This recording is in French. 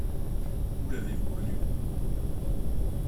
Où l’avez-vous connu ?